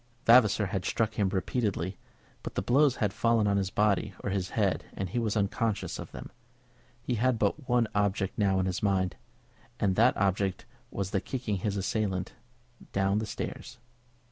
Vavasor had struck him repeatedly, but the blows had fallen on his body or his head, and he was unconscious of them. He had but one object now in his mind, and that object was the kicking his assailant down the stairs.